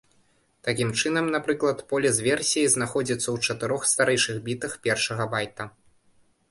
Такім чынам, напрыклад, поле з версіяй знаходзіцца ў чатырох старэйшых бітах першага байта.